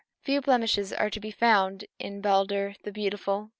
Few blemishes are to be found in Balder the beautiful."